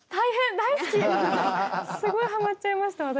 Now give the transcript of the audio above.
すごいハマっちゃいました私。